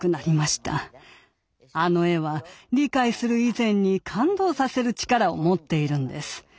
あの絵は理解する以前に感動させる力を持っているんです。